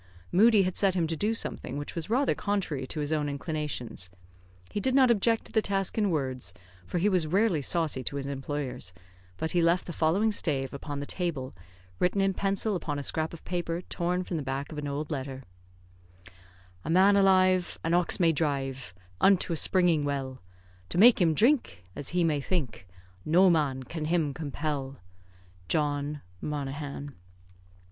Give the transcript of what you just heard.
Moodie had set him to do something which was rather contrary to his own inclinations; he did not object to the task in words, for he was rarely saucy to his employers, but he left the following stave upon the table, written in pencil upon a scrap of paper torn from the back of an old letter: "A man alive, an ox may drive Unto a springing well; To make him drink, as he may think, No man can him compel. "JOHN MONAGHAN."